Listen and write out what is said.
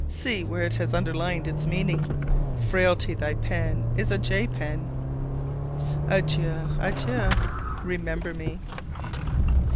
See where it has underlined its meaning. Frailty, thy pen is a J pen! Adieu, adieu, remember me.